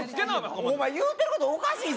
お前、言うてることおかいしぞ？